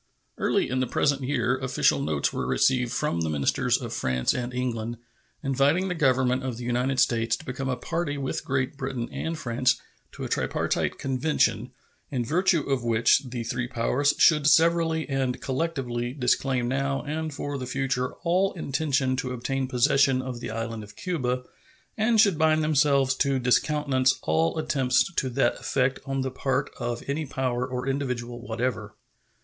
Early in the present year official notes were received from the ministers of France and England inviting the Government of the United States to become a party with Great Britain and France to a tripartite convention, in virtue of which the three powers should severally and collectively disclaim now and for the future all intention to obtain possession of the island of Cuba, and should bind themselves to discountenance all attempts to that effect on the part of any power or individual whatever.